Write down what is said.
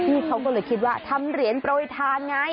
อืมเธอเลยคิดว่าทำเหรียญโปรไลธานไง